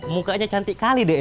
mukanya cantik kali deh